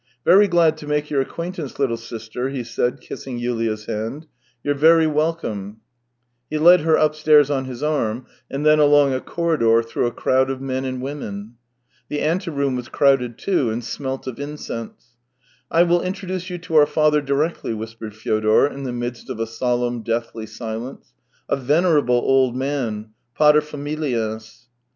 " Very glad to make your acquaintance, little sister," he said, kissing Yulia's hand. " You're very welcome." He led her upstairs on his arm, and then along a corridor through a crowd of men and women. The anteroom was crowded too, and smelt of incense. " I will introduce you to our father directly," whispered Fyodor in the midst of a solemn, deathly silence. " A venerable old man, pater familias."